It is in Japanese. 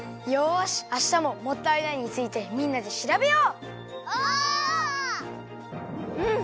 よしあしたも「もったいない」についてみんなでしらべよう！